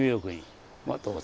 まあどうぞ。